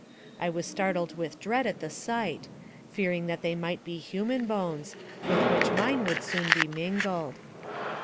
I was startled with dread .at the sight, fearing that they might be human bones, with which mine would soon be mingled.